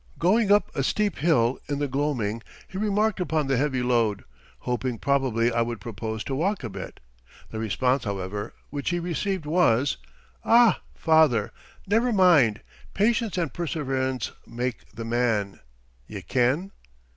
Going up a steep hill in the gloaming he remarked upon the heavy load, hoping probably I would propose to walk a bit. The response, however, which he received was: "Ah, faither, never mind, patience and perseverance make the man, ye ken."